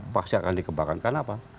pasti akan dikebakankan kenapa